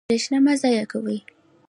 برښنا مه ضایع کوئ